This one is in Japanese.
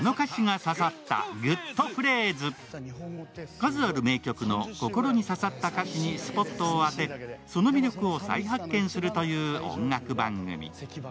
数ある名曲の心に刺さった歌詞にスポットを当てその魅力を再発見するという音楽番組。